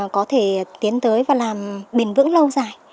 có thể tiến tới và làm bền vững lâu dài